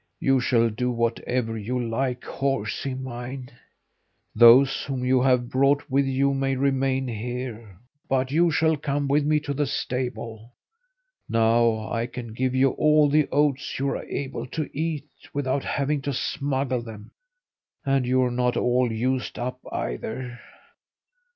You shall do whatever you like, horsy mine! Those whom you have brought with you may remain here, but you shall come with me to the stable. Now I can give you all the oats you are able to eat, without having to smuggle them. And you're not all used up, either!